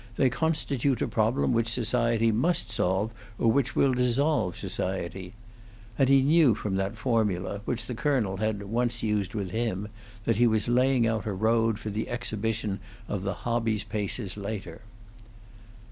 They constitute a problem which society must solve or which will dissolve society," and he knew from that formula, which the colonel had, once used with him, that he was laying out a road for the exhibition of the hobby's paces later.